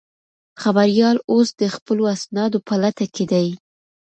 خبریال اوس د خپلو اسنادو په لټه کې دی.